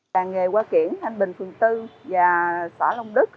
làng nghề hoa kiển thanh bình phường bốn và xã long đức